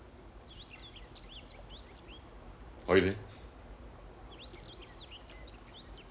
おいで。